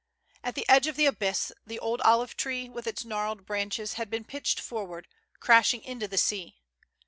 At the edge of the abyss the old olive tree, with its gnarled branches, had been pitched forward, crashing into the sea.